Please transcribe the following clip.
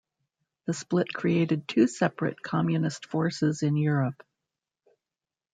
The split created two separate communist forces in Europe.